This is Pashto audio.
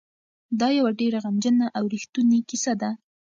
دا یوه ډېره غمجنه او رښتونې کیسه ده.